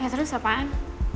ya terus apaan